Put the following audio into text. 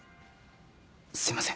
すいません。